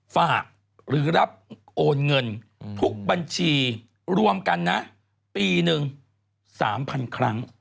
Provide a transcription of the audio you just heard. ฝากหรือรับโอนเงินทุกบัญชีรวมกันนะปีหนึ่ง๓๐๐๐ครั้ง